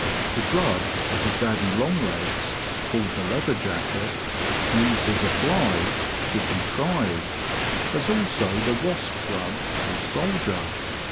The. grub of the " daddy long legs," called the " leather jacket," used as a fly, should be tried, as also the wasp grub, or '^soldier."